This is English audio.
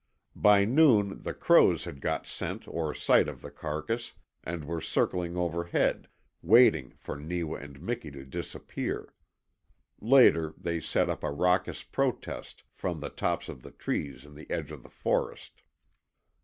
By noon the crows had got scent or sight of the carcass and were circling overhead, waiting for Neewa and Miki to disappear. Later, they set up a raucous protest from the tops of the trees in the edge of the forest.